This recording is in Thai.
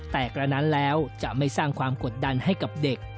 แต่กระนั้นแล้วจะไม่สร้างความกดดันให้กับเด็ก